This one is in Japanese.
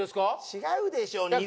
違うでしょ。